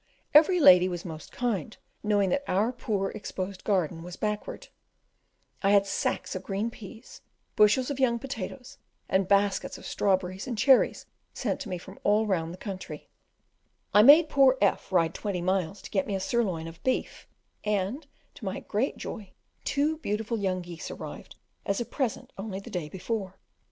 Every lady was most kind, knowing that our poor, exposed garden was backward; I had sacks of green peas, bushels of young potatoes, and baskets of strawberries and cherries sent to me from all round the country; I made poor F ride twenty miles to get me a sirloin of beef, and, to my great joy, two beautiful young geese arrived as a present only the day before.